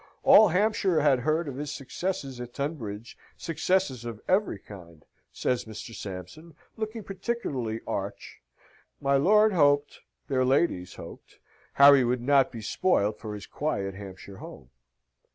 "All Hampshire had heard of his successes at Tunbridge, successes of every kind," says Mr. Sampson, looking particularly arch; my lord hoped, their ladyships hoped, Harry would not be spoilt for his quiet Hampshire home.